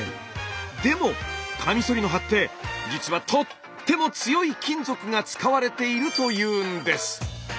でもカミソリの刃って実はとっても強い金属が使われているというんです。